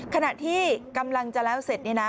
ขณะที่กำลังจะแล้วเสร็จเนี่ยนะ